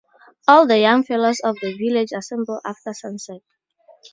All the young fellows of the village assemble after sunset.